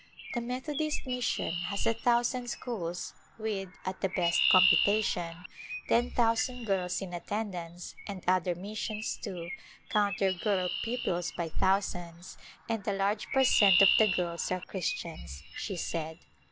" The Methodist Mission has a thousand schools with, at the best computation, ten thousand girls in attendance, and other missions, too, count their girl pupils by thousands, and a large per cent, of the girls are Christians," she said.